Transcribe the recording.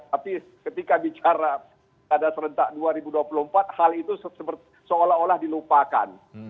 tapi ketika bicara pada serentak dua ribu dua puluh empat hal itu seolah olah dilupakan